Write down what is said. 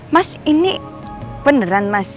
mas ini beneran mas